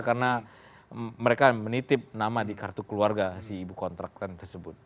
karena mereka menitip nama di kartu keluarga si ibu kontrakan tersebut